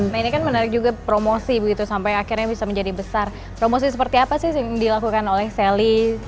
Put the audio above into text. nah ini kan menarik juga promosi begitu sampai akhirnya bisa menjadi besar promosi seperti apa sih yang dilakukan oleh sally